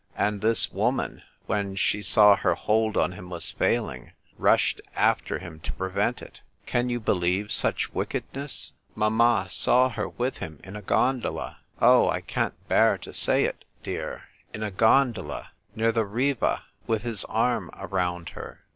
And this woman, when she saw her hold on him was failing, rushed after him to prevent it. Can you believe such wickedness ? Mamma saw her with him in a gondola. Oh ! I can't bear to say it, dear, in a gondola, near the Riva, with his arm around her